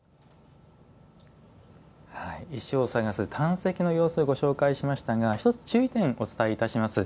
石を探す探石の様子をご紹介しましたが１つ注意点、お伝えいたします。